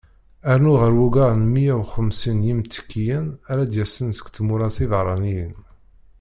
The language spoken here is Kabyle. Rnu ɣer wugar n miyya u xemsin n yimttekkiyen ara d-yasen seg tmura tiberraniyin.